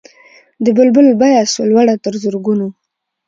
د بلبل بیه سوه لوړه تر زرګونو